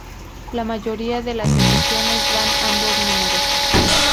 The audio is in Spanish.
La mayoría de las ediciones dan ambos números.